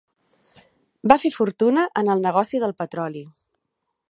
Va fer fortuna en el negoci del petroli.